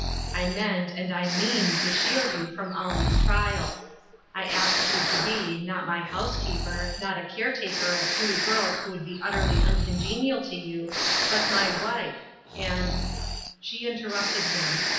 I meant and I mean to shield you from all these trials. I asked you to be, not my housekeeper, not a care taker of two girls who would be utterly uncongenial to you, but my wife^ and —'* She interrupted him.